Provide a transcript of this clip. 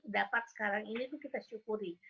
dapat sekarang ini itu kita syukuri